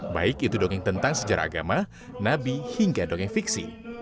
baik itu dongeng tentang sejarah agama nabi hingga dongeng fiksi